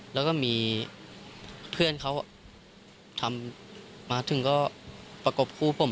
แล้วก็มีเพื่อนเขาทำมาถึงก็ประกบคู่ผม